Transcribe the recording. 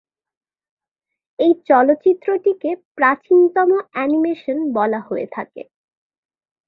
এই চলচ্চিত্রটিকে প্রাচীনতম অ্যানিমেশন বলা হয়ে থাকে।